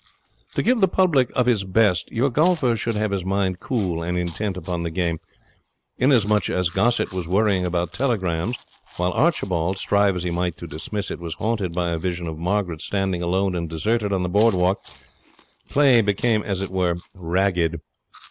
To give the public of his best, your golfer should have his mind cool and intent upon the game. Inasmuch as Gossett was worrying about the telegrams, while Archibald, strive as he might to dismiss it, was haunted by a vision of Margaret standing alone and deserted on the board walk, play became, as it were, ragged.